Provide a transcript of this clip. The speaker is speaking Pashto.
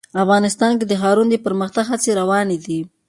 افغانستان کې د ښارونه د پرمختګ هڅې روانې دي.